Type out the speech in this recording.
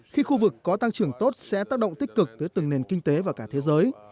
khi khu vực có tăng trưởng tốt sẽ tác động tích cực tới từng nền kinh tế và cả thế giới